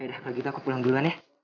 udah kalau gitu aku pulang duluan ya